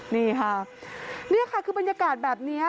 นี่ค่ะบรรยากาศแบบนี้